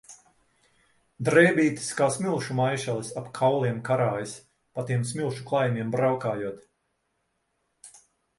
Drēbītes kā smilšu maišelis ap kauliem karājas, pa tiem smilšu klajumiem braukājot.